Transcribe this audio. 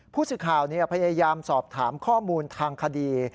ผู้สื่อข่าวพยายามสอบถามข้อมูลทางคดี